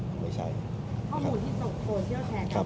ข้อมูลที่โซเชียลแทรกับไม่ใช่นะครับ